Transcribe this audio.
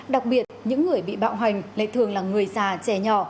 đặc biệt những người bị bạo hành lại thường là người già trẻ nhỏ